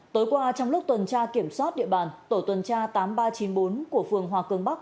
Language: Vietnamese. tối qua trong lúc tuần tra kiểm soát địa bàn tổ tuần tra tám nghìn ba trăm chín mươi bốn của phường hòa cường bắc